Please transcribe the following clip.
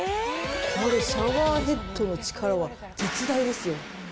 これ、シャワーヘッドの力は絶大ですよ。